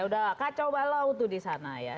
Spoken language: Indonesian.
sudah kacau balau itu di sana ya